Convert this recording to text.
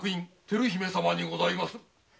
照姫様にございます。